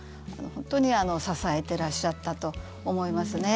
本当に支えてらっしゃったと思いますね。